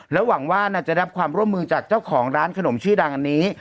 หวังว่าน่าจะรับความร่วมมือจากเจ้าของร้านขนมชื่อดังอันนี้